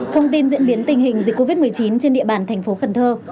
thông tin diễn biến tình hình dịch covid một mươi chín trên địa bàn thành phố cần thơ